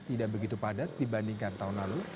tidak begitu padat dibandingkan tahun lalu